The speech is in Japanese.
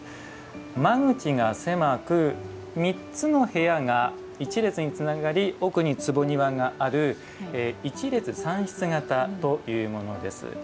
間口が狭く３つの部屋が一列につながり奥に坪庭がある一列三室型というものです。